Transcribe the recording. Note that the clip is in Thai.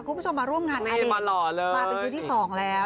คุณผู้ชมมาร่วมงานอเด่นมาเป็นชื่อที่สองแล้ว